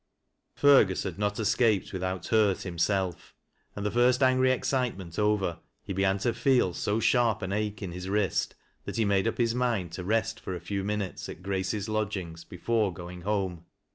Fergus had not escaped without hurt himself, and the flrst angry excitement over, he began to feel so sharp an auhe in his wrist, that he made up his mind to rest fcr a few minutes at Grace's lodgings before going home.